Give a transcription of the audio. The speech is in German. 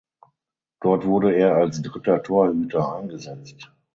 Dort wurde er als dritter Torhüter eingesetzt.